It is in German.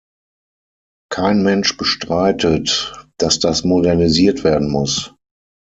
Kein Mensch bestreitet, dass das modernisiert werden muss.